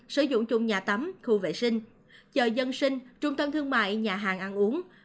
sử dụng chung nhà tắm khu vệ sinh chợ dân sinh trung tâm thương mại nhà hàng ăn uống